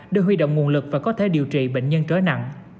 để huy động nguồn lực và có thể điều trị bệnh nhân trở nặng